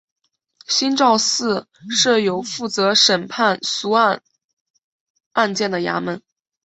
新召庙设有负责审判僧俗案件的衙门。